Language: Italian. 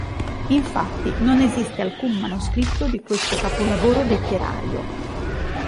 Infatti, non esiste alcun manoscritto di questo capolavoro letterario.